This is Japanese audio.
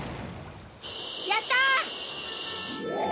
やった！